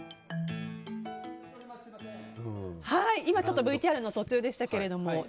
今、ちょっとＶＴＲの途中でしたけども。